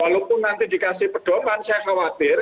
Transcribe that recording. walaupun nanti dikasih pedoman saya khawatir